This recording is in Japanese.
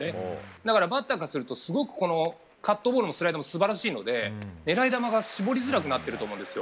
だからバッターからするとすごくカットボールもスライダーも素晴らしいので狙い球が絞りづらくなってると思うんです。